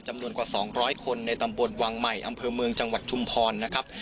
จำนวนกว่า๒๐๐คนในตำบลวังใหม่อำเภอเมืองจังหวัดชุมพรนะครับ